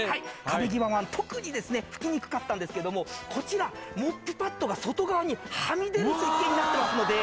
壁際は特にですね拭きにくかったんですけどもこちらモップパッドが外側にはみ出る設計になってますので。